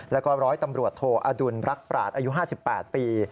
แล้วก็ร้อยตำรวจโทอดุลรักปราศอายุ๕๘ปี